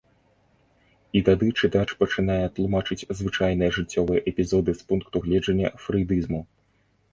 І тады чытач пачынае тлумачыць звычайныя жыццёвыя эпізоды з пункту гледжання фрэйдызму.